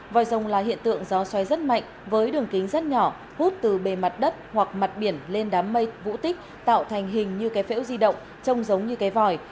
vòi rồng là hiện tượng gió xoay rất mạnh với đường kính rất nhỏ hút từ bề mặt đất hoặc mặt biển lên đám mây vũ tích tạo thành hình như cái phễu di động trông giống như cái vòi